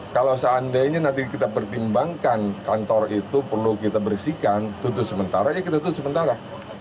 kalau seandainya nanti kita pertimbangkan kantor itu perlu kita bersihkan tutup sementara ya kita tutup sementara